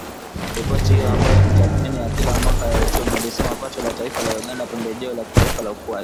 Ripoti hiyo, ambayo ni tathmini ya kila mwaka ya uchumi, ilisema pato la taifa la Uganda Pembejeo la Kitaifa la Ukuaji.